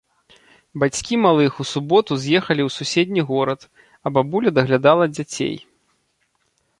Бацькі малых у суботу з'ехалі ў суседні горад, а бабуля даглядала дзяцей.